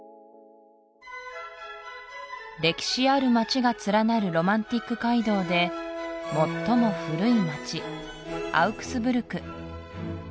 歴史ある街が連なるロマンティック街道で最も古い街アウクスブルク